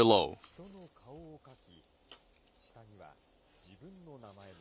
人の顔をかき下には、自分の名前も。